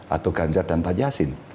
atau ganjar dan tajasin